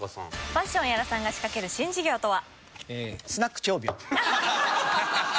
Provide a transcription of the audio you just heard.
パッション屋良さんが仕掛ける新事業とは？